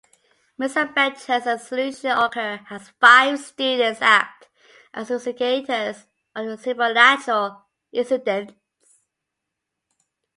Misadventures and solutions occur as five students act as investigators of the supernatural incidents.